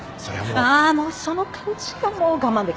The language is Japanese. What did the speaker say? ああもうその感じがもう我慢できない。